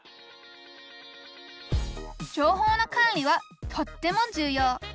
情報の管理はとっても重要。